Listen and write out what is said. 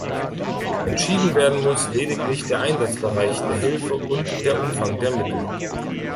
Entschieden werden muss lediglich der Einsatzbereich der Hilfe und der Umfang der Mittel.